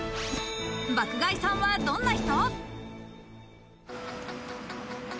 爆買いさんはどんな人？